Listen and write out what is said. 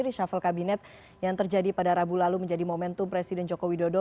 reshuffle kabinet yang terjadi pada rabu lalu menjadi momentum presiden joko widodo